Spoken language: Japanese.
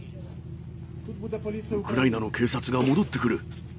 ウクライナの警察が戻ってくる。